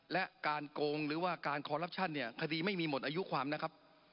และการโกงหรือว่าการคอลลับชั่นเนี่ยคดีไม่มีหมดอายุความนะครับ